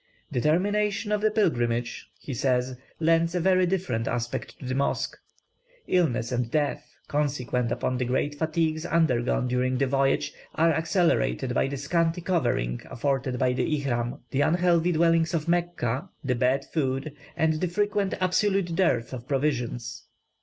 "The termination of the pilgrimage," he says, "lends a very different aspect to the mosque. Illness and death, consequent upon the great fatigues undergone during the voyage, are accelerated by the scanty covering afforded by the Ihram, the unhealthy dwellings of Mecca, the bad food, and frequent absolute dearth of provisions.